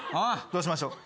どうしましょう？